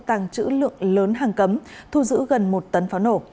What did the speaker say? tăng chữ lượng lớn hàng cấm thu giữ gần một tấn pháo nổ